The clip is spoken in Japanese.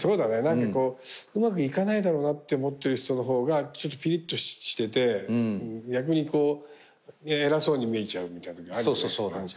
何かこううまくいかないだろうなって思ってる人の方がちょっとピリッとしてて逆に偉そうに見えちゃうみたいなときあるよね。